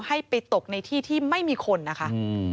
ให้ไปตกในที่ที่ไม่มีคนนะคะ